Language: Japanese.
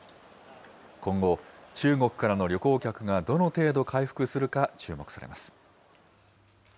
今後、中国からの旅行客がどの程度回復するか、注目されます。